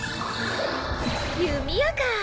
弓矢かぁ。